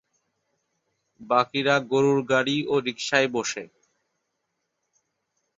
বাকিরা গরুর গাড়ি ও রিকশায় বসে।